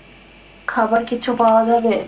খাবার কিছু পাওয়া যাবে?